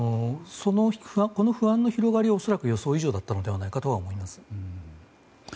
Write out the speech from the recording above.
この不安の広がりは恐らく、予想以上だったのではないかと思います。